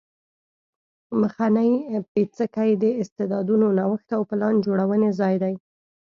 مخنی پیڅکی د استعدادونو نوښت او پلان جوړونې ځای دی